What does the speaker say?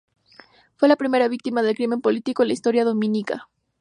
Fue la primera víctima del crimen político en la historia dominicana.